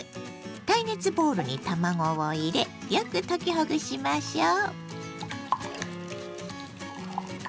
耐熱ボウルに卵を入れよく溶きほぐしましょう。